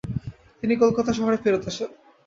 তিনি কলকাতা শহরে ফেরৎ আসেন।